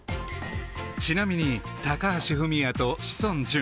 ちなみに高橋文哉と志尊淳